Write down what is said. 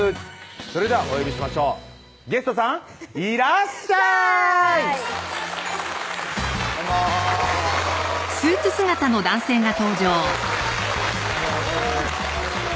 それではお呼びしましょうゲストさんいらっしゃいフゥ！